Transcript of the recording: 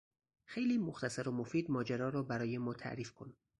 خیلی مختصر و مفید ماجرا را برای ما تعریف کن